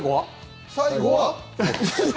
最後は。